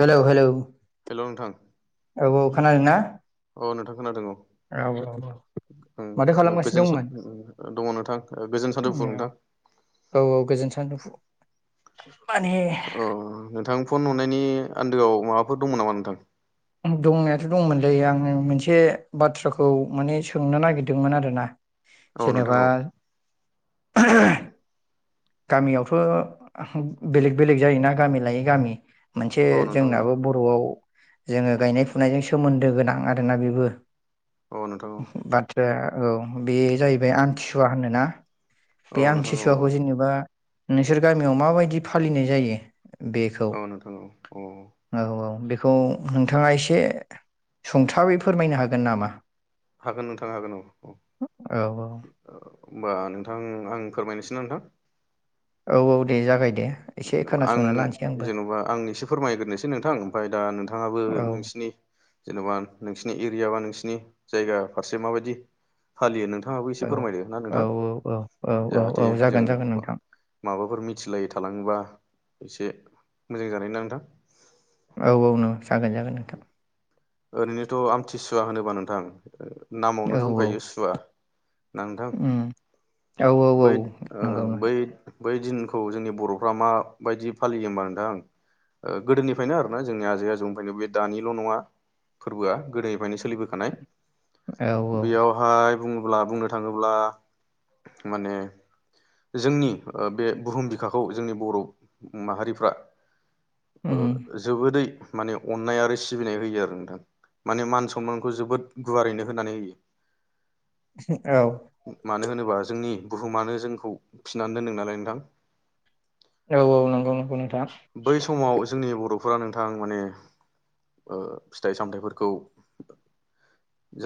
Hello hello हेल' नोंथां औ औ खोनादों ना अ नोंथां खोनादों औ माथो उम खालामगासिनो गोजोन दंमोन दङ नोंथां गोजोन सान्जौफु नोंथां औ औ गोजोन सानजौफु माने अ नोंथां फन हनायनि आन्दोआव माबाफोर दंमोन नामा नोंथां? दंनायाथ' दंमोनलै आङो मोनसे बाथ्राखौ माने सोंनो नागिरदोंमोन आरोना औ नोंथां सोरनोबा औ [unintelligible] गामियावथ' बेलेग बेलेग जायोना गामि लायै गामि मोनसे औ नोंथां औ जोंनाबो बर'आव जोङो गायनाय फुनायजों सोमोन्दो गोनां आरोना बेबो। औ नोंथां औ बाथ्राया औ बे जाहैबाय आमथिसुवा होनो ना? बे औ नोंथां औ आमथिसुवाखौ जेनेबा नोंसोर गामियाव माबायदि फालिनाय जायो? बेखौ औ नोंथां औ औ औ औ बे खौ नोंथाङा एसे सुंथाबै फोरमायनो हागोन नामा? हागोन नोंथां हागोन औ औ औ औ होमबा नों नोंथां आं फोरमायनोसै नोंथां औ औ दे जागाय। जेनेबा आं जेन'बा आं एसे फोरमायग्रोसै नोंथां ओमफ्राय दा नोंथाङाबो औ नोंसिनि जेन'बा नोंसिनि एरिया बा नोंसिनि नि जायगा फारसे माबायदि फालियो नों नोंथाङाबो एसे औ फोरमायदो ना औ नोंथां औ औ जाहाथे जागोन जों जागोन नोंथां माबाफोर मिथिलायो। [unintelligible] एसे मोजां जानायनि ना नोंथां औ औ नो ओरैनोथ' आमथि सुवा होनोबा नोंथां नामावनो दंखायो सुवा ना नोंथां ओम औ औ औ बै ओ नंगौ नों बै बै दिनखौ जोंनि बर'फ्रा माबायदि फालियो होमबा नोंथां ओ गोदोनिफ्रायनो आरोना जोंनि आजै आजौनिफ्रायनो बे दानिल' नङा फोरबोआ गोदोनिफ्रायनो सोलिबोखानाय। औ औ बेयावहाय बुङोब्ला बुंनो थाङोब्ला माने जोंनि ओ बे बुहुम बिखाखौ जोंनि बर' माहारिफ्रा ओ उम जोबोदै माने अन अननाय आरो सिबिनाय होयो आरो नोंथां माने मान सनमानखौ जोबोद गुवारैनो होनानै होयो [unintelligible] औ मानो होनोबा जोंनि बुहुमानो जोंखौ फिनानै दोनदों नालाय नोंथां औ औ नंगौ नंगौ नोंथां बै समाव जोंनि बर' फोरा नोंथां माने ओ फिथाइ सामथाइफोरखौ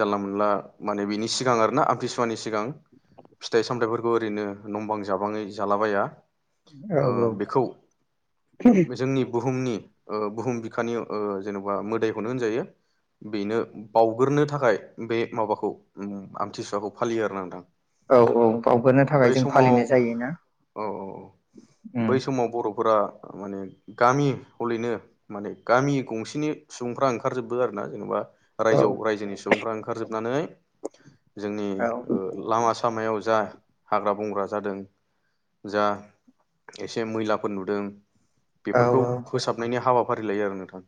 जानला मोनला माने बिनि सिगां आरोना आमतिसुवानि सि सिगां फिथाइ सामथाइफोर खौ ओरैनो नंबां जाबाङै जालाबाया औ ओ औ बेखौ जोंनि बुक बुहुमनि ओ बुहुम बिखानि ओ जेन'बा मोदायखौनो होनजायो बेनो बावगोरो थाखाय बे माबाखौ ओम आमथिसुवाखौ फालियो आरो ना नोंथां औ औ बावगोरोनो बै थाखाय जों समाव फालिनाय जायोना फुरा माने गामि हलैनो माने गामि गंसेनि सुबुंफ्रा ओंखार जोबो आरो ना जेनबा औ रायजोआव रायजोनि सुबुंफ्रा ओंखारजोबनानै जोंनि औ ओ‌ ल लामा सामायाव जा हाग्रा बंग्रा जादों जा एसे मैलाफोर नुदों औ बेफोरखौ फोसाबनायनि हावा फारि लायो आरो नोंथां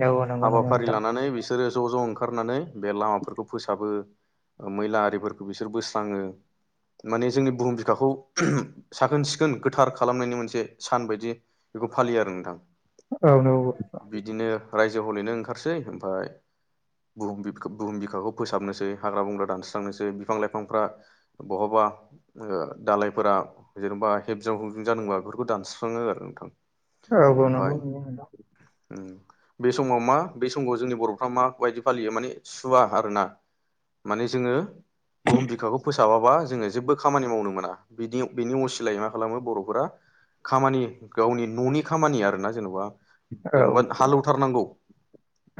औ नंगौ नंगौ हाबाफारि नोंथां लानानै बिसोरो ज' ज' ओंखारनानै बे लामाफोरखौ फोसाबो मैला आरिफोरखौ बिसोर बोस्राङो माने जोंनि बुहुम बिखाखौ [unintelligible] साखोन सिखोन गोथार खालामनायनि मोनसे सान बायदि बेखौ फालियो आरो नोंथां। औ न [unintelligible] बिदिनो रायजो हलेनो ओंखारसै ओमफफ्राय बहुम बि बुहुम बिखाखौ फोसाबनोसै हाग्रा बंग्रा दानस्रांनोसै बिफां लाइफांफ्रा बहाबा ओ दालायफोरा जेन'बा हेबजां हबजुं जानबा बेफोरखौ दानस्रिस्राङो आरो थां औ औ नंगौ नंगौ नोंथां बे समाव मा बे समाव जोंनि बर'फ्रा माबायदि फालियो माने सुवा आरोना माने जोङो बुुम बिखाखौ फोस साबाबा जोङो जेबो खामानि मावनो मोना बिदि बिनि असिलायै मा खालामो बर'खौ बोला खामानि गावनि न'नि खामानि आर ना जेन'बा औ जेनेबा हालेवथारनांगौ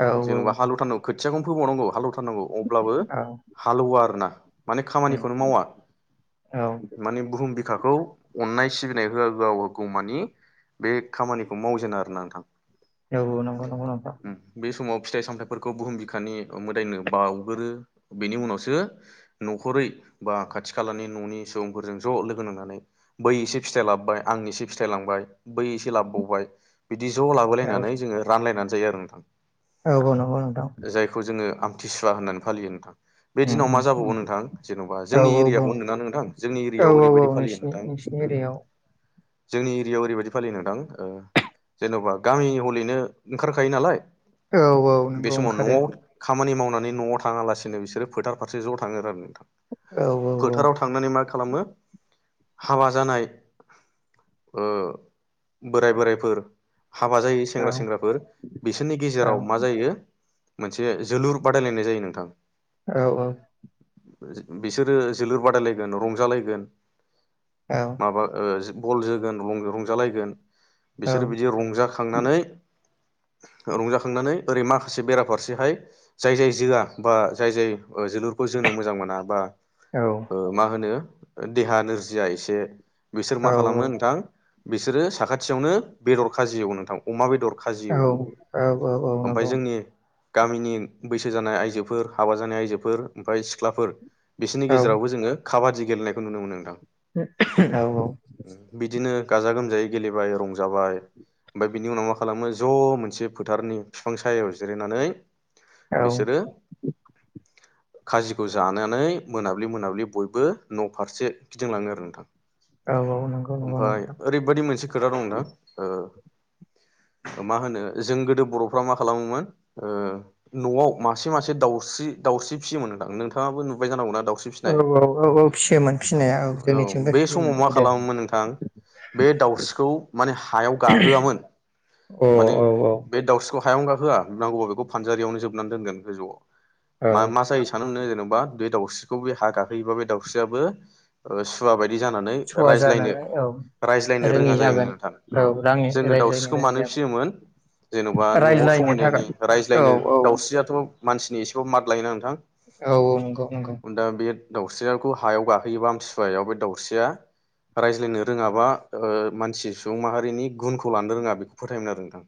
उम जेनेबा हालु थानाव खो थियाखौनो फोबावनांगौ हालौ थारनांगौ अब्लाबो औ हालवा आरोना माने खामानिखौनो मावा औ माने बुहुम बि खाखौ अननाय सिबिनाय हो होआ गौमानि बे खामानिखौ मावजेनो आरोना नोंथां औ नंगौ नंगौ नोंथां उम बे समाव फिथाइ सामथायफोरखौ बुहुम बिखानि मोदायनो बाउगोरो बेनि उनावसो न'खरै बा खाथि खालानि न'नि सुबुंफोरजों ज' लोगो नांनानै बै एसे फिथाय लाबोबाय आं एसे फिथाय लांबाय बै एसे लाबोबावबाय बिदि ज' औ लाबोलायनानै जोङो रानलायनानै जायो आरो नोंथां औ औ नंगौ नोथां आमटिसुवा होननानै फालियो नोंथां। बे दिनाव मा उम जाबावगौ नोंथां जेन'बा औ जोंनि औ एरियाखौ बुं होनदों ना नोंथां जोंनि औ एरियायाव औ औ ओरैबायदि फालियो नोंसिनि नोंथां नोंसिनि एरियायाव जों एरियाव ओरैबादि बिदि फालियो नोंथां ओ जेन'बा गामि हलैनो ओंखारखायो नालाय औ औ नंगौ ओंखारो। माने न'आव थाङा लासिनो बिसोरो फोथार फारसे ज' थाङो राननो औ फोथाराव थांनानै मा खालामो हाबा जानाय ओ बोराय बोरायफोर हाबा जायै औ सेंग्रा सेंग्राफोर बिसोरनि औ गेजेराव मा जायो मोनसे जोलुर बादायलायनाय जायो नोंथां औ औ बिसोरो जोलुर बादायलायगोन रंजालायगोन। माबा ओ जो बल जोगोन रं- रंज रंजालायगोन औ बिसोर बिदि रंजाखांनानै रंजाखांनानै ओरै माखासे बेराफारसेहाय जाय जाय जोआ बा जाय जाय जोलुरखौ जोनो मोजां मोना बा ओ मा होनो देहा नोरजिया एसे बिसोर मा खालामो नोंथां बिसोरो साखाथियावनो बेदर खाजि एवनो नोंथां अमा बेदर खाजि औ एवो औ औ औ ओमफ्राय नंगौ जोंनि गामिनि बैसो जानाय आइजोफोर हाबा जानाय आइजोफोर ओमफ्राय सिख्लाफोर बिसोरनि औ गेजेरावबो जोङो काबादि गेलेनायखौ नुनो मोनो नोंथां औ औ बिदिनो गाजा गोमजायै गेलेबाय रंजाबाय ओमफ्राय बिनि उनाव मा खालामो ज' मोनसे फोथारनि बिफां सायाव जिरायनानै औ औ बिसोरो खाजिखौ जानानै मोनाब्लि मोनाब्लि बयबो न' फारसे खिदिंलाङो आरो नोंथां औ औ नंगौ नंगौ नोंथां ओरै बायदि मोनसे खोथा दंना ओ मा होनो जों गोदो बर'फ्रा मा खालामो मोन ओ न'आव मासे मासे दाउस्रि दाउस्रि फिसियोमोन दां नोंथाङाबो नुबाय जानांगौना? दाउस्रि औ फिसिनाय औ औ औ फिसियोमोन फिसिनाया औ जोंनिथिंबो बे समाव फिसियोमोन मा गोदो खालामोमोन नोंथां बे दाउस्रिखौ माने हायाव गाहोआमोन अ माने औ औ बे दाउस्रिखौ हायावनो गाहोआ नांगौबा बेखौ फानजारियावनो जोब जोबनानै दोनगोन गोजौआव औ मा मा जायो सानोमोनो जेनेबा बा बे दाउसिखौ बे हा गाखोयोबा बे दाउस्रियाबो ओ सुवा बायदि जानानै सुवा रायज्लायनो जानानै औ रायज्लायनो रोङि रोङा जायो जागोन नोंथां औ राङि जोङो रायज्लायनो दावस्रिखौ रोङि मानो जागोन फिसियो मोन जेन'बा न'आव रायज्लायनो थाखाय समायनायनि औ रायज्लायनो औ दावस्रियाथ' मानसिनि जब माथ लायो ना नोंथां औ औ नंगौ नंगौ दाउस्रियाखौ हायाव गाखोयोबा आमथिसुवायाव बे दाउस्रिया रायज्लायनो रोङाबा ओ मानसि सुबुं माहारिनि गुनखौ लानो रोङा बेखौ फोथायो मोन आरो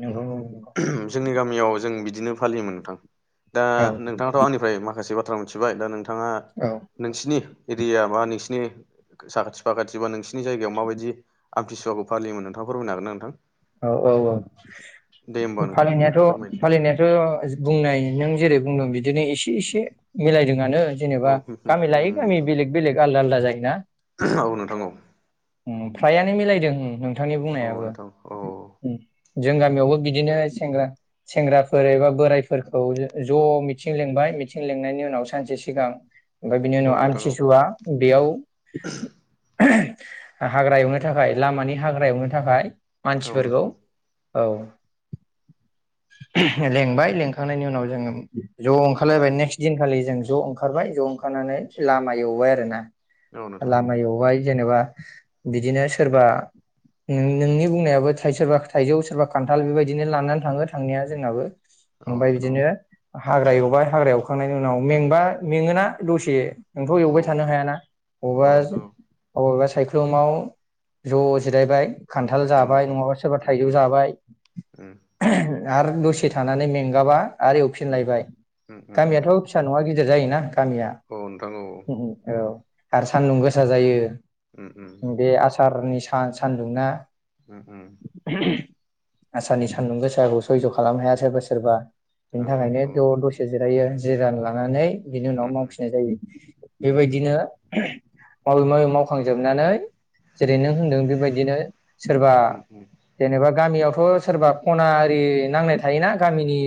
नंगौ जोंनि गामियाव जों बि बिदिनो फालियोमोन नोंथां दा औ नोंथाङाथ' आंनिफ्राय माखासे बा थ्रा मिथिबाय दा नोंथां बिथाङा औ नोंसिनि एरिया बा नोंसिनि साखाथि फाखाथिबा नोंसि नि जायगायाव माबायदि? आमथिसुवाखौ फालियोमोन नोंथाङा फोरमायनो हागोन ना नोंथां? औ औ दे होमबा औ नोंथां फालिनायाथ' फोरमायदो दे। फालिनायाथ' बुंनाय नों जेरै बुंदों बिदिनो एसे एसे मिलायदोंआनो औ जेनेबा गामि लायै गामि नोंथां बेलेग बेलेग आलदा आलदा जायोना औ ओं फ्रायानो मिलायदों नोंथांनि औ बुंनायाबो नोंथां औ उम जोंनि गामियावबो बि बिदिनो सेंग्रा सेंग्राफोर एबा बोरायफोरखौ ज' मिथिं लिंबाय मिथिं लिंनायनि उनाव सानसे सिगां ओमफ्राय बिनि उनाव आमथिसुवा बेयाव [unintelligible] हाग्रा एवनो थाखाय लामानि हाग्रा एवनो थाखाय औ नोंथां औ मानसिफोरखौ नोंथां औ औ लेंबाय लेंखांनायनि उनाव जोङो ज' ओंखारलायबाय नेक्स्ट दिनखालि जों ज' ओंखारबाय ज' ओंखारनानै लामा एवबाय आरोना। औ नोंथां औ लामा एवबाय जेनेबा बिदिनो सोरबा उ नों-नोंनि बुंनायाबो थाय सोरबा थाइजौ सोरबा खान्थाल बेबायाददिनो लानानै थाङो थांनाया जोंनाबो औ नोंथां औ ओमफ्राय नोंथां बिदिनो हाग्रा एवबाय हाग्रा एवखांनायनि उनाव मेंबा मेङोना दसे नोंथ' औ एवबाय थानो हायाना अबेबा नोंथां अबेबा सायख्लुमाव ज' जिरायबाय खान्थाल औ जाबाय नोंथां नङाबा सोरबा उम थाइजौ उम जाबाय उम आरो दसे थानानै मेंगाबा आरो एवफिन उम लायबाय उम उम उम गामियाथ' फिसा नङा गि दिर जायोना। गामिया औ नोंथां औ उम औ आरो सान्दुं गोसा जायो। उम उम उम बे आसारनि सा-सान्दुंना उ उ आसारनि सान्दुं गोसाखौ सयज' खालामनो हाया सोरबा सोरबा। औ बेनि थाखायनो नोंथां बेव औ दसे जि दायो जिरान लानानै बिनि उम उनाव मावफिननाय जायो उम बेबायदिनो मावै मावै मावखांजोबनानै जेरै नों होनदों बेबायदिनो सोरबा उम उम जेनेबा गामियाव थ' सोरबा खना आरि नांनाय थायोना गामिनि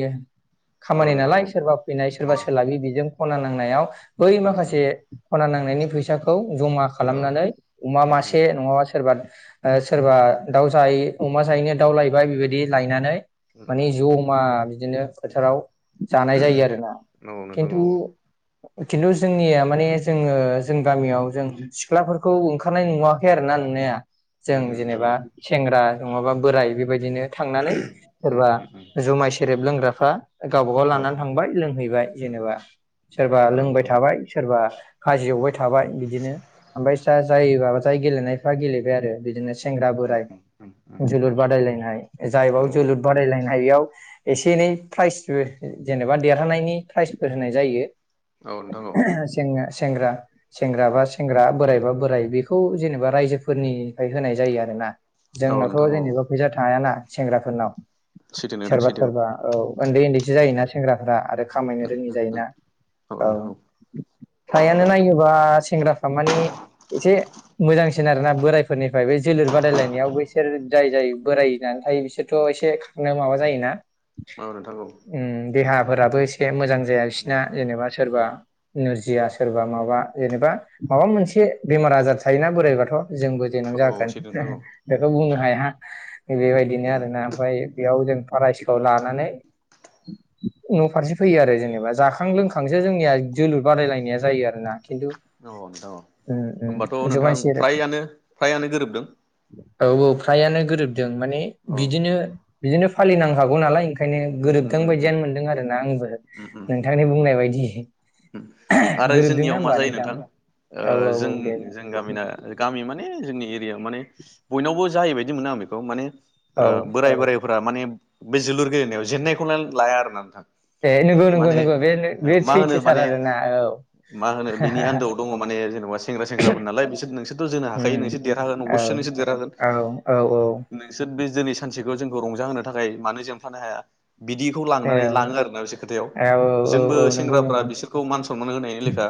औ खामानि नोंथां नालाय औ सोरबा फैनाय उम उम सोरबा औ सोलाबै बेजों खना नांनायाव बै उम उम माखासे औ खना नां नायनि फैसाखौ जमा नोंथां औ खालामनानै अमा मासे उम नङाबा सोरबा ओ सोरबा दाउ जायै अमा जायैनो दाउ लायबाय बेबायदि लायनानै नोंथां माने जमा बिदिनो फोथाराव जानाय जायो आरोना खिन्थु खिन्थु जोंनिया माने जोङो जों गामियाव जों सिख्लाफोरखौ ओंखारनाय नुवाखै आरो ना नुनाया जों जेनेबा औ सेंग्रा नङाबा बोराय बेबायदिनो थांनानै सोरबा उम उम उम जुमाय सेरेब लोंग्राफ्रा गावबा गाव लानानै औ थांबाय लोंहैबाय जेनेबा सोरबा औ लोंबाय नोंथां औ थाबाय सोरबा खाजि एवबाय थाबाय बिदिनो ओमफाय सा जायोबा जाय गेलेनायफ्रा गेलेबाय आरो बिदोनोसै सेंग्रा उम बोराइ उम उम जोलुर उम बादायलायनाय औ जायबाव जोलुर बादायलायनायाव एसे एनै प्राइजबो जेनेबा देरहानायनि प्राइजफोर होनाय जायो नोंथां औ सेंना सेंग्रा सेंग्रा बा सेंग्रा बोराइबा बोराइ बेखौ जेनेबा रायजोफोरनि फाय होनाय जायो आरो ना औ नोंथां जोंनावथ औ जेनेबा फैसा थायाना सेंग्राफोरनाव सैथो नोंथां सोरबा सैथो सोरबा औ उन्दै उन्दैसो जायोना सेंग्राफ्रा आरो खामायनो रोङि उम जायोना उम औ फ्रायानो नायोबा सेंग्राफ्रा मानि एसे मोजांसि सिन आरोना बोराय फोरनिफ्राय बे जोलुर बादायलायनायाव बैसोर जाय जाय बोरायना थायो बिसोरथ' एसे खारनो माबा जायोना औ नोंथां औ उम देहा राबो एसे ए मोजां जाया उम बिसिना जेनेबा सोरबा उम नु जाया सोरबा माबा जेनेबा माबा मोनसे बेमार आजार थायोना बोरायबाथ जोंबो देनां औ जागोन सैथो दे नोंथां औ उम बेखौ बुंनो हाया बेबायदिनो आरो उम ना ओमफाय बेयाव जों फराय औ लानानै न फारसे फैयो आरो जेनेबा जाखां लोंखांसो जोंनिया जोलुर बादायलायनाया जायो आरो ना औ नोंथां औ होनबाथ नोंथां जुमाय सेरेब फ्रायानो फ्रायानो गोरोबदों औ औ फ्रायानो गोरोब दों माने औ बिदिनो बिदिनो फालिनांखागौ नालाय ओंखायनो उम उम गोरोबदों उम बायदियानो मोनदों आरोना आंबो उम उम नोंथांनि बुंनाय बायदि आरो गोरोबदों ना जोंनियाव मा होमबा जायो नोंथां ओ औ औ औ दे ने जोंनि एरिया माने बयनावबो जाहैबायदि मोनो आं बेखौ माने औ ओ बोराय बोराइफोरा माने बे जोलुर गेलेनायाव जेननायखौनो लाया आरोना नोंथां ए नंगौ नंगौ माने नंगौ बे बे मा होनो सैथोथार माने आरोना औ मा होनो बेनि आन्दोआव दङ माने जेनेबा सेंग्रा सेंग्राफोर नालाय बिसोर नोंसोरथ' जोनो हाखायो उम नोंसोर देरहागोन औ अबसे नोंसोर देरहागोन औ औ नोंसोर बे दिनै जों सानसेखौ जोंखौ रंजाहोनो थाखाय मानो जेनफानो हाया बिदिखौ लांनानै लाङो आरोना बिसोर खोथायाव औ औ जोंबो औ नंगौ सेंग्राफ्रा नंगौ बिसोरखौ मान सनमान होनायनि लेखा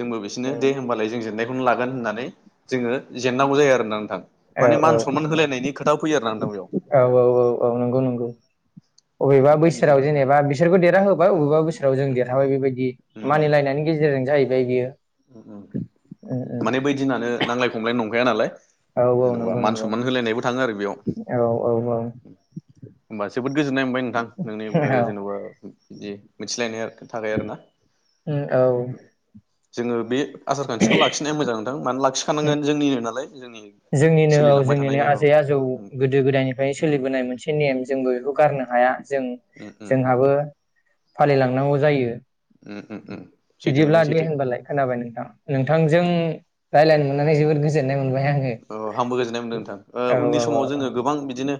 जोंबो बिसोरनो उम दे होमबालाय जों जेननाय बेखौनो लागोन होननानै जोङो जेननांगौ जायो आरोना नोंथां औ माने औ मान सनमान होलायनायनि खोथा फैयो आरो ना नोंथां बेयाव औ औ औ औ नंगौ नंगौ। बबेबा बिदि बोसोराव जेनेबा बिसोरखौ देरहा होबाय अबेबा बोसोराव जों देरहाबाय बेबायदि मानिलायनायनि गेजेरजों जाहैबाय। बियो उम उम माने बै दिनानो नांलाय खमलाय नं गैया नालाय औ औ जेन'बा नंगौ मान नंगौ सनमान होलायनायबो थाङो आरो बेयाव औ औ औ होमबा जोबोद गोजोननाय मोनबाय नोंथां नोंनि जेन'बा बिदि मिथिलायनाय थाबाय आरोना। औ उम जोङो बे आसार खान्थिखौ लाखिनाया मोजां नोंथा मानो लाखि ओम जोंनिनो औ सोलिलांबाय थानाय जोंनिनो औ आजै आजौ उम गोदो गोदायनिफ्रायनो सोलिबोनाय मोनसे नेम जोंबो बेखौ गारनो हाया जों उम उम जोंहाबो फालिलांनांगौ जायो। दे उम उम उम उम सैथो बिदिब्ला नोंथां दे सैथो होनबालाय खोनाबाय नोंथां नोंथांजों रायलायनो मोननानै जोबोद गोजोननाय मोन ओ आंबो गोजोननाय मोनदों नोंथां औ उननि औ समाव औ औ जोङो गोबां बिदिनो।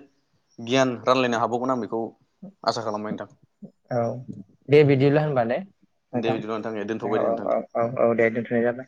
गियान रानलायनो हाबावगोन आं बेखौ आसा खालामबाय नोंथां औ दे बिदिब्ला होनबा ने दे नोंथां बिदिब्ला नोंथां दे दोनथ'बाय औ दे नोंथां औ दे औ औ औ दे दोनथ'नाय जाबाय।